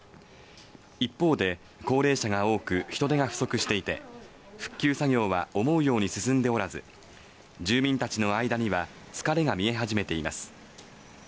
一方で高齢者が多く人手が不足していて復旧作業は思うように進んでおらず住民たちの間には疲れが見え始めています